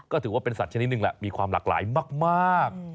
ก็ถือว่าเป็นสัตว์ชนิดหนึ่งแหละมีความหลากหลายมาก